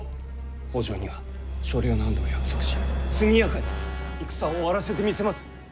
北条には所領の安堵を約束し速やかに戦を終わらせてみせます！